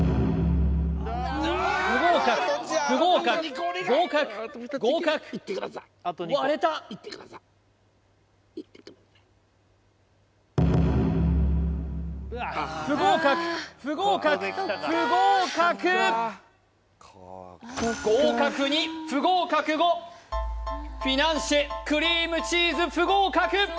不合格不合格合格合格割れた不合格不合格不合格フィナンシェクリームチーズ不合格